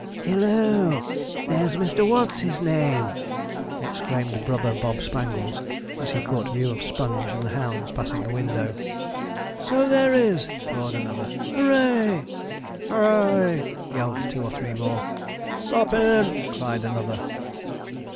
'Hil loo! there's Mr. What's his name!' exclaimed brother Bob Spangles, as he caught view of Sponge and the hounds passing the window. 'So there is!' roared another; 'Hoo ray!' 'Hoo ray!' yelled two or three more. 'Stop him!' cried another.